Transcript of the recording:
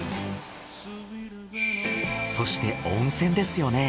そして温泉ですよね。